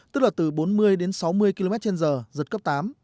tức là từ bốn mươi đến sáu mươi km trên giờ giật cấp tám